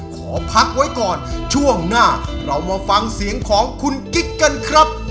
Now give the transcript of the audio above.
ขอพักไว้ก่อนช่วงหน้าเรามาฟังเสียงของคุณกิ๊กกันครับ